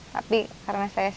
tapi karena saya selalu berpikir